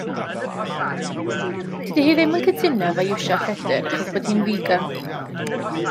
Dydi hi ddim yn cytuno hefo iwsio lledr achos bo' hi'n figan.